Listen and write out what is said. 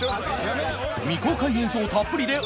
未公開映像たっぷりでお届け